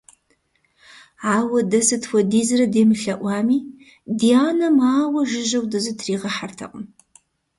Ауэ дэ сыт хуэдизрэ демылъэӀуами, ди анэм ауэ жыжьэу дызытригъэхьэртэкъым.